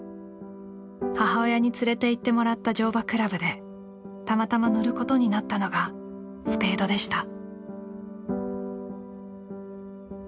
母親に連れていってもらった乗馬倶楽部でたまたま乗ることになったのがスペードでした。